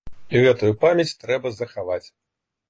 І гэтую памяць трэба захаваць.